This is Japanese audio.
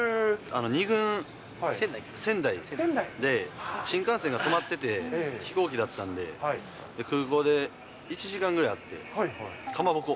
２軍、仙台で、新幹線が止まってて、飛行機だったんで、空港で１時間ぐらいあって、かまぼこ。